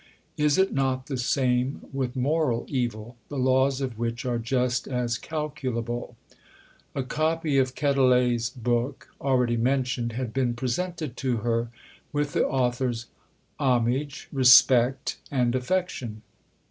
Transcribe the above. Is it not the same with moral evil, the laws of which are just as calculable?" A copy of Quetelet's book, already mentioned, had been presented to her "with the author's homage, respect, and affection."